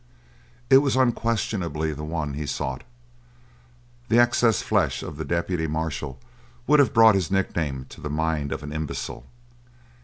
It was unquestionably the one he sought. The excess flesh of the deputy marshal would have brought his nickname to the mind of an imbecile.